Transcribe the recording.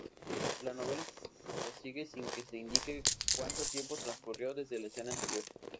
La novela prosigue sin que se indique cuánto tiempo transcurrió desde la escena anterior.